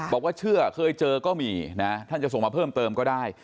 บอกว่าเชื่อเคยเจอก็มีนะท่านจะส่งมาเพิ่มเติมก็ได้